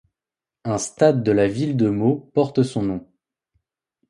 Un stade de la ville de Meaux porte son nom.